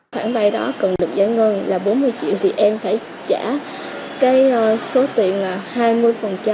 khoản vay đó cần được giải ngân là bốn mươi triệu thì em phải trả cái số tiền hai mươi